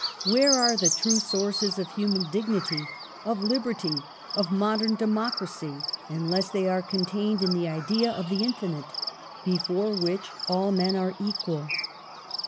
Where are the true sources of human dignity, of liberty, of modern democracy, unless they are con tained in the idea of the infinite, before which all men are equal?"